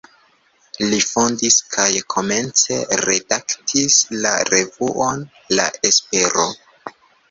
Li fondis kaj komence redaktis la revuon "La Espero".